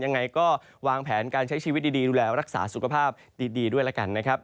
ยังไงก็วางแผนการใช้ชีวิตดีดูแลรักษาสุขภาพดีด้วยแล้วกันนะครับ